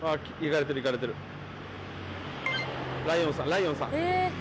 ライオンさん